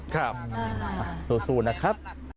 ครับสู้นะครับ